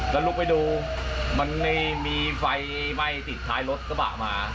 แล้วลุกไปดูมันมีไฟไหม้ติดท้ายรถกระบะมา